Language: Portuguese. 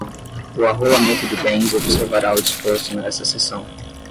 O arrolamento de bens observará o disposto nesta Seção